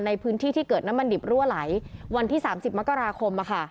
ในพื้นที่ที่เกิดน้ำมันดิบรั่วไหลวันที่๓๐มกราคม